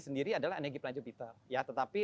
sendiri adalah anegi planet jupiter ya tetapi